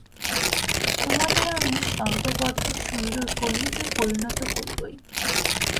তোমাদের আমি সঙ্ঘবদ্ধ সুন্দর কর্মীতে পরিণত করবই।